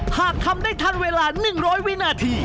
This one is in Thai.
หากทำได้ทันเวลา๑๐๐วินาที